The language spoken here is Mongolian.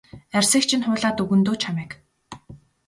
Арьсыг чинь хуулаад өгнө дөө чамайг.